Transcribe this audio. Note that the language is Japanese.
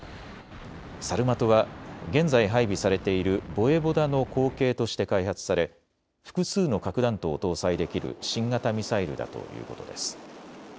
サルマトは現在、配備されているボエボダの後継として開発され複数の核弾頭を搭載できる新型ミサイルだということです。